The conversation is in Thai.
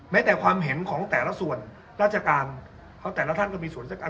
แต่ความเห็นของแต่ละส่วนราชการเพราะแต่ละท่านก็มีส่วนราชการ